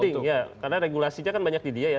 penting ya karena regulasinya kan banyak di dia ya